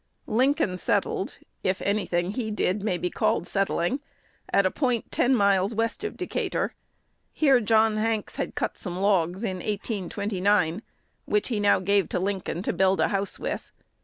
Lincoln settled (if any thing he did may be called settling) at a point ten miles west of Decatur. Here John Hanks had cut some logs in 1829, which he now gave to Lincoln to build a house with.